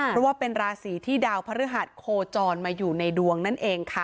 เพราะว่าเป็นราศีที่ดาวพระฤหัสโคจรมาอยู่ในดวงนั่นเองค่ะ